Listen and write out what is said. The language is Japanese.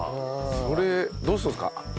それどうするんですか？